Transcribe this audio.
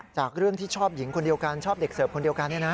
จากเรื่องที่ชอบหญิงคนเดียวกันชอบเด็กเสิร์ฟคนเดียวกัน